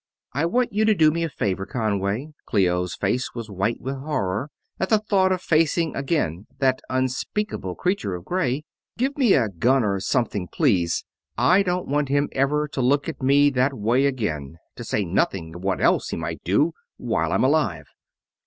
"I want you to do me a favor, Conway." Clio's face was white with horror at the thought of facing again that unspeakable creature of gray. "Give me a gun or something, please. I don't want him ever to look at me that way again, to say nothing of what else he might do, while I'm alive."